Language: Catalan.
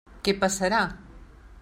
Què passarà?